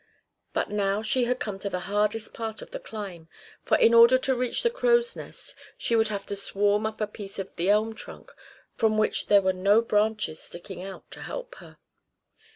But now she had come to the hardest part of the climb, for in order to reach the crow's nest she would have to swarm up a piece of the elm trunk from which there were no branches sticking out to help her.